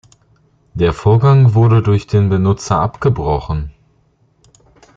Der Vorgang wurde durch den Benutzer abgebrochen.